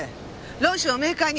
論旨を明快に！